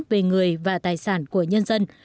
về người và tài sản của nhân dân